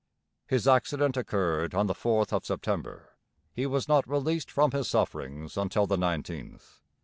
His accident occurred on the fourth of September: he was not released from his sufferings until the nineteenth.